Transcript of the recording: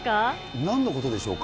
なんのことでしょうか。